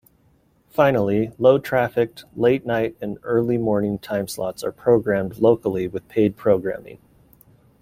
Finally, low-trafficked late night and early morning timeslots are programmed locally with paid programming.